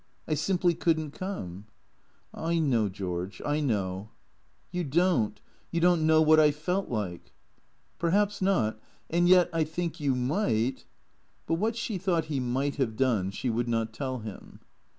I simply could n't come." " I know, George, I know." THECREATOES 83 " You don't. You don't know what I felt like." " Perhaps not. And yet, I think, you might But what she thought he might have done she would not tell him.